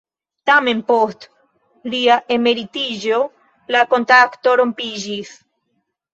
Tamen post lia emeritiĝo la kontakto rompiĝis.